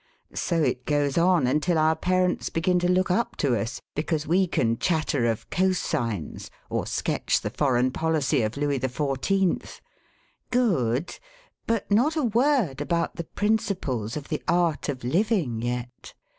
So it goes on until our parents begin to look up to us because we can chatter of cosines or sketch the foreign policy of Louis XIV. Good! But not a word about the principles of the art of living yet!